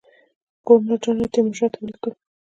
ګورنر جنرال تیمورشاه ته ولیکل.